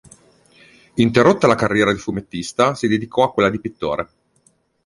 Interrotta la carriera di fumettista, si dedicò a quella di pittore.